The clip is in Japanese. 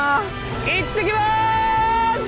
いってきます！